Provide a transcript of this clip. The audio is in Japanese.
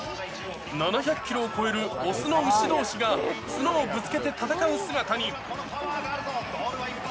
７００キロを超える雄の牛どうしが角をぶつけて戦う姿に。